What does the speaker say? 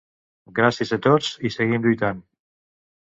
Gràcies a tots i seguim lluitant.